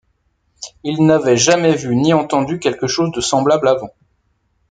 Il n’avait jamais vu ni entendu quelque chose de semblable avant.